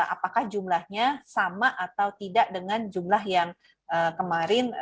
apakah jumlahnya sama atau tidak dengan jumlah yang kemarin